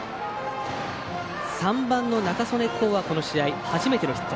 ３番の仲宗根皐はこの試合初めてのヒット。